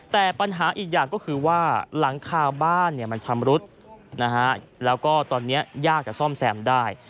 แต่ปัญหาอีกอย่างก็คือว่าหลังคาบ้านมันชำรุดนะฮะแล้วก็ตอนนี้ยากจะซ่อมแซมได้